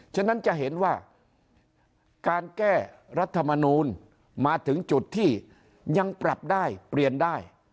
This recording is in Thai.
ฉะนั้นจะเห็นว่าการแก้รัฐมนูลมาถึงจุดที่ยังปรับได้เปลี่ยนได้